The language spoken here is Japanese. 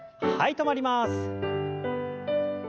止まります。